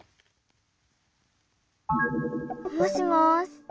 もしもし。